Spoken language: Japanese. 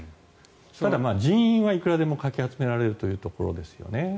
ただ、人員はいくらでもかき集められるというところですよね。